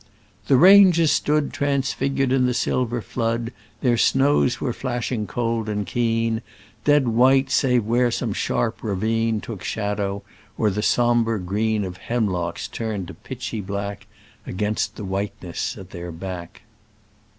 The ranges stood Transfigured in the silver flood. Their snows were flashing cold and keen. Dead white, save where some sharp ravine Took shadow, or the sombre green Of hemlocks turned to pitchy black, Against the whiteness at their back."